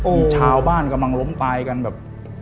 มีชาวบ้านกำลังล้มตายกันแบบ